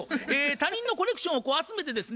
他人のコレクションを集めてですね